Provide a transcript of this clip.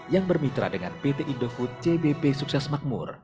yang bermitra dengan pt indofood cbp sukses makmur